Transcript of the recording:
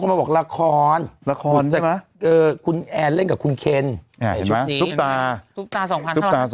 ในละครหรือป่ะ